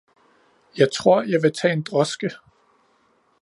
Jeg tror, jeg vil tage en droske!